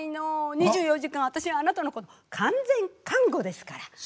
２４時間私あなたのこと完全看護ですから。